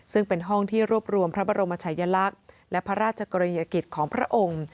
ซึ่งเป็นห้องที่รวบรวมพระบรมชายลักษณ์และพระราชกรณียกิจของพระองค์